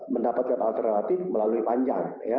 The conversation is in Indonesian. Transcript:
mendapatkan alternatif melalui panjang